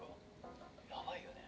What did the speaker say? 「やばいよね」